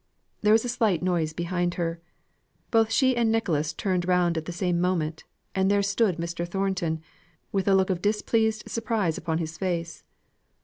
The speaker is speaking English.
There was a slight noise behind her. Both she and Nicholas turned round at the same moment, and there stood Mr. Thornton, with a look of displeased surprise upon his face.